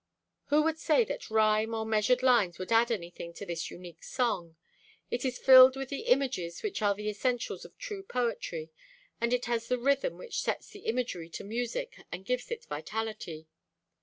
Who would say that rhyme or measured lines would add anything to this unique song? It is filled with the images which are the essentials of true poetry, and it has the rhythm which sets the imagery to music and gives it vitality.